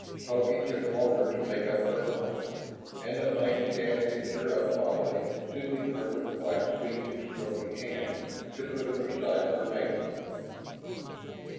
Togi took longer to make up her mind. And at length Shann picked her up bodily, soothing her with quiet speech and stroking hands, to put her beside her mate.